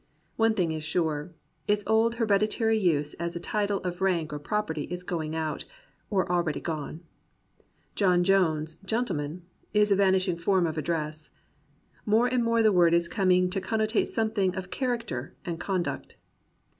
One thing is sure, its old hereditary use as a title of rank or property is going out, or already gone. "John Jones, Gent.," is a vanishing form of ad dress. More and more the word is coming to con note something in character and conduct.